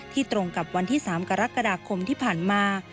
ตรงกับวันที่๓กรกฎาคมที่ผ่านมา